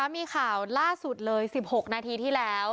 มีข่าวล่าสุดเลย๑๖นาทีที่แล้ว